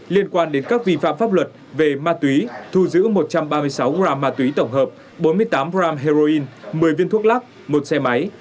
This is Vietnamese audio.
liên quan đến các vi phạm pháp luật về ma túy thu giữ một trăm ba mươi sáu gram ma túy tổng hợp bốn mươi tám g heroin một mươi viên thuốc lắc một xe máy